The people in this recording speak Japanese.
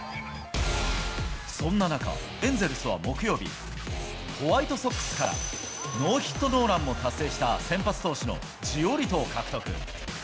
そんな中、エンゼルスは木曜日、ホワイトソックスから、ノーヒットノーランも達成した先発投手のジオリトを獲得。